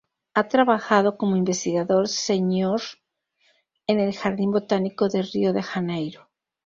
Ha trabajado como investigador senior en el "Jardín Botánico de Río de Janeiro"